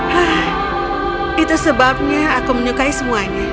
hah itu sebabnya aku menyukai semuanya